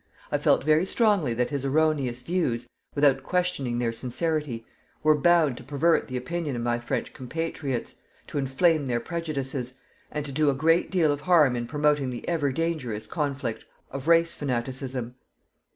I felt very strongly that his erroneous views without questioning their sincerity were bound to pervert the opinion of my French compatriots, to enflame their prejudices, and to do a great deal of harm in promoting the ever dangerous conflict of race fanaticism.